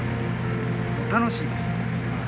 楽しいです。